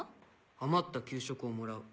余った給食をもらう。